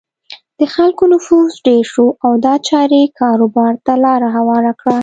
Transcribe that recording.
د خلکو نفوس ډېر شو او دا چارې کاروبار ته لاره هواره کړه.